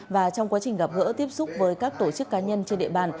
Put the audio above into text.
và trong quá trình gặp gỡ tiếp xúc với các tổ chức cá nhân trên địa bàn